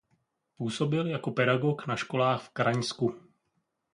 Působil jako pedagog na školách v Kraňsku.